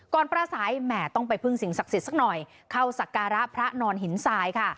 ก่อนพระสายแหม่ต้องไปฟึ่งสิ่งศักดิ์สักหน่อยเข้าศักรพระนอนหินทรายค่ะ